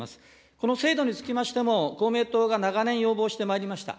この制度につきましても、公明党が長年要望してまいりました。